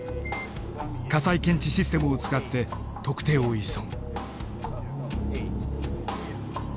火災検知システムを使って特定を急ぐ。